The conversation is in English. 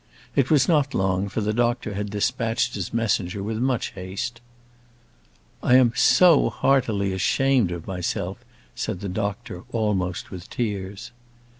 It was not long, for the doctor had dispatched his messenger with much haste. "I am so heartily ashamed of myself," said the doctor, almost with tears.